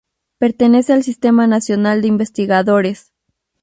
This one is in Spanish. Pertenece al Sistema Nacional de Investigadores.